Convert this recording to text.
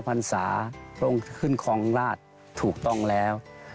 พันศาตรงขึ้นคลองราชถูกต้องแล้ว